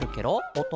おと。